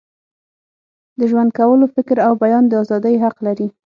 د ژوند کولو، فکر او بیان د ازادۍ حق لري.